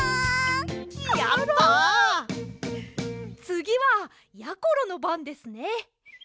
つぎはやころのばんですね。